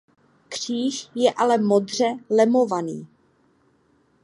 Kříž je ale modře lemovaný.